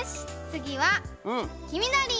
つぎはきみどり！